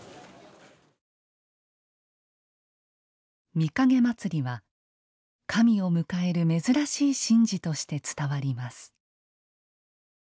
御蔭祭は、神を迎える珍しい神事として伝わります。